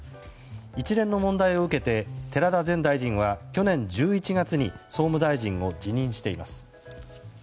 一連の問題を受けて寺田前大臣は去年１１月に総務大臣を自任しています。